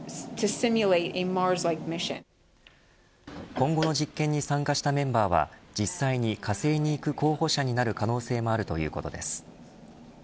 今後の実験に参加したメンバーは実際に火星に行く候補者になる可能性もあるということです。